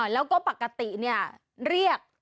แล้วก็ปกติเนี่ยเรียก